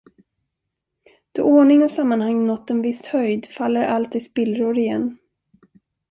Då ordning och sammanhang nått en viss höjd, faller allt i spillror igen.